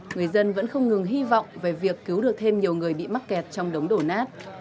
người dân vẫn không ngừng hy vọng về việc cứu được thêm nhiều người bị mắc kẹt trong đống đổ nát